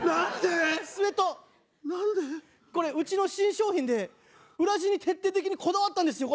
これうちの新商品で裏地に徹底的にこだわったんですよ